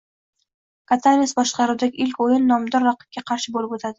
Katanes boshqaruvidagi ilk o‘yin nomdor raqibga qarshi bo‘lib o‘tadi